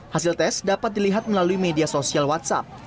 hasil tes dapat dilihat melalui media sosial whatsapp